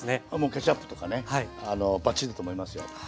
ケチャップとかねバッチリだと思いますよ。